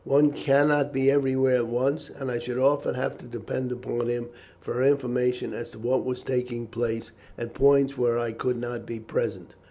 One cannot be everywhere at once, and I should often have to depend upon him for information as to what was taking place at points where I could not be present.